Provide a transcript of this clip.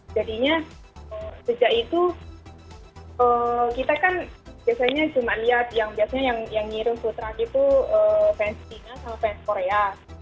jadinya sejak itu kita kan biasanya cuma liat yang nyirim futra itu fans china sama fans korea